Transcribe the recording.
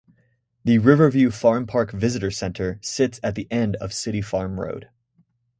The Riverview Farm Park Visitor Center sits at the end of City Farm Road.